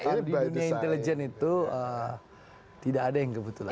tapi dunia intelijen itu tidak ada yang kebetulan